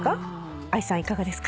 ＡＩさんいかがですか？